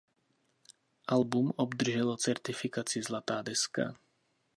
Album obdrželo certifikaci zlatá deska.